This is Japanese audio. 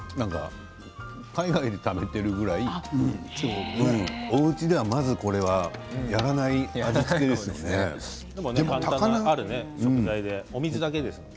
海外で食べているぐらいおうちでは、まずこれはやらない味付けですよね。